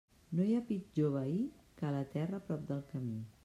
No hi ha pitjor veí que la terra prop del camí.